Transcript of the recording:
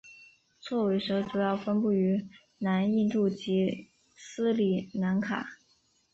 锉尾蛇主要分布于南印度及斯里兰卡。